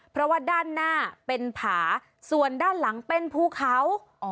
เพราะว่าด้านหน้าเป็นผาส่วนด้านหลังเป็นภูเขา